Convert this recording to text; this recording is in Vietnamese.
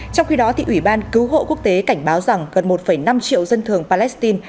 trong khi đó ủy ban cứu hộ quốc tế cảnh báo rằng gần một năm triệu dân thường palestine